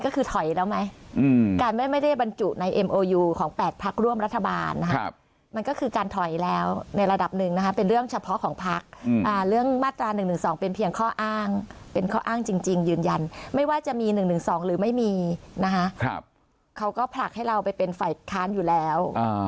เขาก็ผลักก้าวกลัยให้ไปเป็นฝ่ายค้านอยู่แล้ว